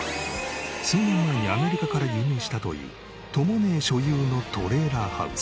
数年前にアメリカから輸入したというとも姉所有のトレーラーハウス。